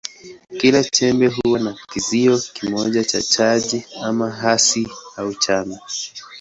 Kila chembe huwa na kizio kimoja cha chaji, ama hasi au chanya.